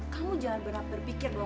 kamu jangan berpikir bahwa